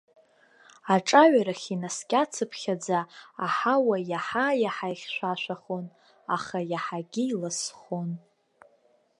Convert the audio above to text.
Аҿаҩарахь инаскьацыԥхьаӡа, аҳауа иаҳа-иаҳа ихьшәашәахон, аха иаҳагьы иласхон.